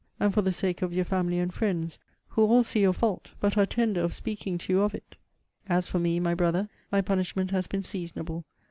and for the sake of your family and friends, who all see your fault, but are tender of speaking to you of it! As for me, my Brother, my punishment has been seasonable.